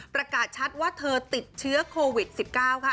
ประกาศชัดว่าเธอติดเชื้อโควิด๑๙ค่ะ